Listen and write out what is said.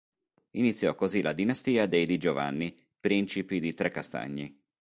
Iniziò così la dinastia dei Di Giovanni, principi di Trecastagni.